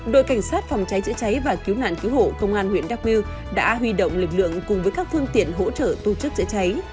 đội cảnh sát phòng cháy chữa cháy và cứu nạn cứu hộ công an huyện đắk miêu đã huy động lực lượng cùng với các phương tiện hỗ trợ tu chức chữa cháy